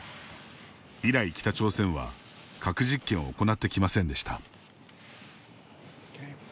以来、北朝鮮は核実験を行ってきませんでした。